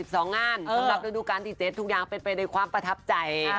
สำหรับด้วยดูการติดเจ็ดทุกอย่างเป็นไปด้วยความประทับใจ